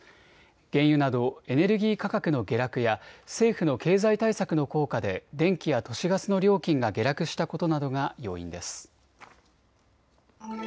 原油などエネルギー価格の下落や政府の経済対策の効果で電気や都市ガスの料金が下落したことなどが要因です。